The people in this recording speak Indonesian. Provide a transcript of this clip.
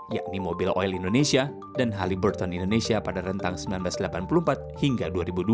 yakni mobil oil indonesia dan hallyburton indonesia pada rentang seribu sembilan ratus delapan puluh empat hingga dua ribu dua